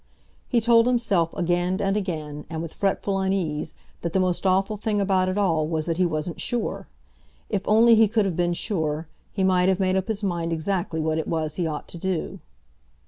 He told himself again and again, and with fretful unease, that the most awful thing about it all was that he wasn't sure. If only he could have been sure, he might have made up his mind exactly what it was he ought to do.